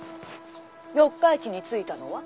四日市に着いたのは？